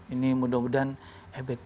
ini mudah mudahan hebat